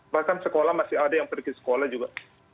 bahkan sekolah masih ada yang pergi sekolah juga